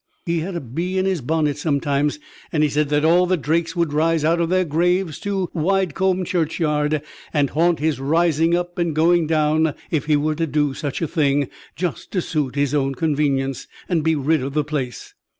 He had a bee in his bonnet sometimes, and he said that all the Drakes would rise out of their graves to Widecombe churchyard, and haunt his rising up and going down if he were to do such a thing, just to suit his own convenience, and be rid of the place.